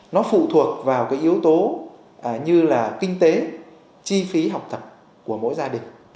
nó phụ thuộc vào cái yếu tố như là kinh tế chi phí học tập của mỗi gia đình